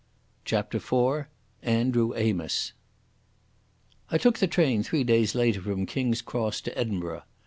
CHAPTER IV Andrew Amos I took the train three days later from King's Cross to Edinburgh.